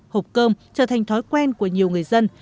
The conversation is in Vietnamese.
hộp cơm trở thành thói quen của nhiều người dân